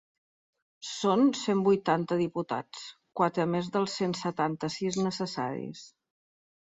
Són cent vuitanta diputats, quatre més dels cent setanta-sis necessaris.